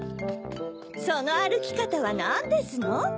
そのあるきかたはなんですの？